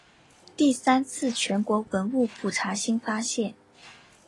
第三次全国文物普查新发现。